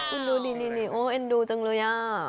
คุณรู้นี่เอ็นดูจังเลย